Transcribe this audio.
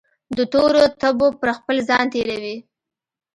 دتورو تبو پرخپل ځان تیروي